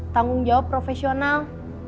tanggung jawab profesional